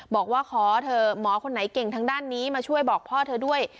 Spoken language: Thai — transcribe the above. บอกว่าขอเถอะหมอคนไหนเก่งทางด้านนี้มาช่วยบอกพ่อเธอด้วย